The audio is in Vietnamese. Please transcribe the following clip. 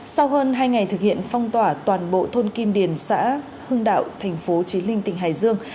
sau hơn hai ngày thực hiện phong tỏa toàn bộ thôn kim điền xã hưng đạo thành phố trí linh tỉnh hải dương